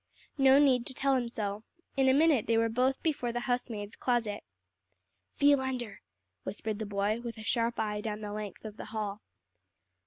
No need to tell him so. In a minute they were both before the housemaid's closet. "Feel under," whispered the boy, with a sharp eye down the length of the hall.